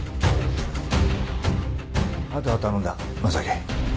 あとは頼んだ正樹。